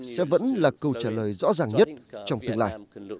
sẽ vẫn là câu trả lời rõ ràng nhất trong tương lai